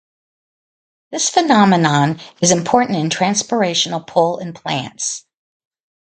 This phenomenon is important in transpirational pull in plants.